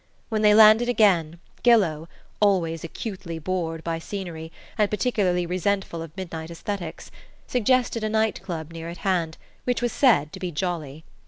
When they landed again, Gillow, always acutely bored by scenery, and particularly resentful of midnight aesthetics, suggested a night club near at hand, which was said to be jolly.